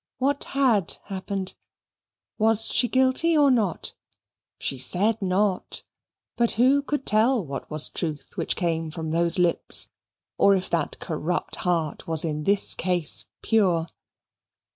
What had happened? Was she guilty or not? She said not, but who could tell what was truth which came from those lips, or if that corrupt heart was in this case pure?